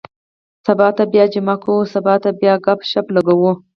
سبا ته بیا جمعه کُو. سبا ته بیا ګپ- شپ لګوو.